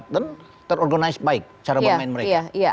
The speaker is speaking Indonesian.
dan terorganize baik cara bermain mereka